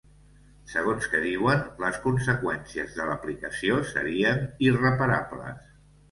Segons que diuen, les conseqüències de l’aplicació serien ‘irreparables’.